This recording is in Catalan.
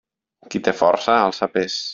Qui té força, alça pes.